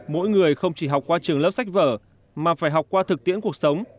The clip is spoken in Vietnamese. mỗi người không chỉ học qua trường lớp sách vở mà phải học qua thực tiễn cuộc sống